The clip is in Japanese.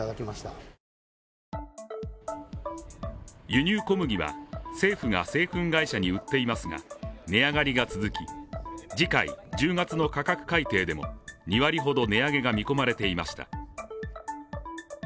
輸入小麦は政府が製粉会社に売っていますが値上がりが続き次回１０月の価格改定でも２割ほど値上げが見込まれていました。